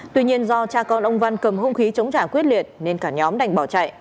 tuy nhiên do cha con ông văn cầm hông khí chống trả quyết liệt nên cả nhóm đành bỏ chạy